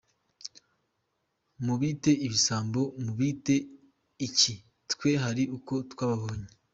Mubite ibisambo mubite iki twe hari uko twababonye.”